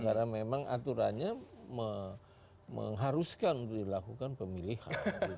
karena memang aturannya mengharuskan untuk dilakukan pemilihan